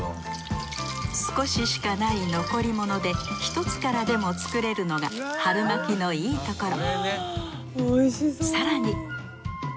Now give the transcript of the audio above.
少ししかない残り物で１つからでも作れるのが春巻きのいいところ。